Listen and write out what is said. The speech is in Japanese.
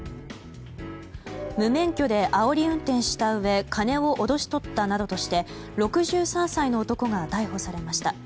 無免許であおり運転したうえ金を脅し取ったなどとして６３歳の男が逮捕されました。